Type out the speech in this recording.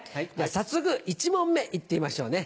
早速１問目行ってみましょうね。